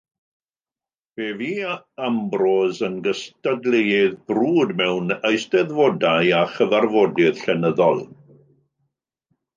Fe fu Ambrose yn gystadleuydd brwd mewn eisteddfodau a chyfarfodydd llenyddol.